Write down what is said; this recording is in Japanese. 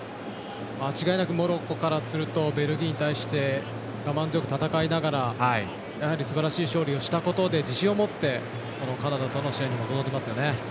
間違いなくモロッコからするとベルギーに対して我慢強く戦いながらすばらしい勝利をしたことで自信を持って、カナダとの試合に臨んでいますよね。